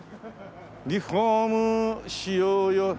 「リフォームしようよ